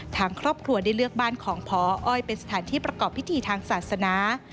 ทางครอบครัวได้เลือกบ้านของพออ้อยเป็นสถานที่ประกอบพิธีทางศาสนา